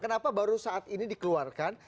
kenapa baru saat ini dikeluarkan